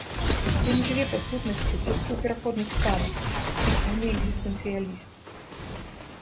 Ён і жыве па сутнасці толькі ў пераходных станах, стыхійны экзістэнцыяліст.